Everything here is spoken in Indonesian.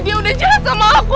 dia udah jaga sama aku